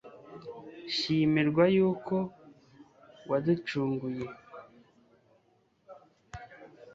shimirwa y'uko waducunguye